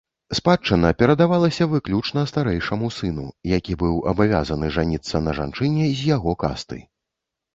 Спадчына перадавалася выключна старэйшаму сыну, які быў абавязаны ажаніцца на жанчыне з яго касты.